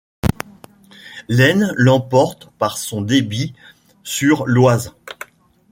L'Aisne l'emporte par son débit sur l'Oise.